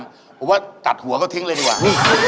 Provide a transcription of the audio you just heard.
ผมว่าตัดหัวเขาทิ้งเลยดีกว่า